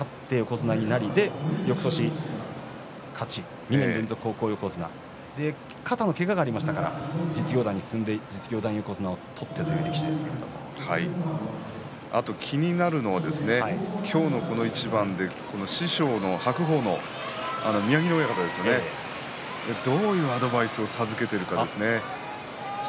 それに勝って横綱になりそしてよくとし勝ち、２年連続高校横綱肩のけががありましたから実業団に進んで実業団横綱をあと気になるのは今日のこの一番で師匠の白鵬の宮城野親方ですねどういうアドバイスを授けているかですね。